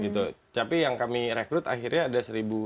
tapi yang kami rekrut akhirnya ada satu seratus